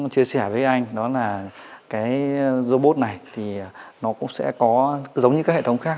chia sẻ với anh đó là cái robot này thì nó cũng sẽ có giống như các hệ thống khác